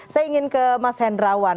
saya ingin ke mas hendrawan